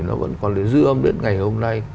nó vẫn còn đến dư âm đến ngày hôm nay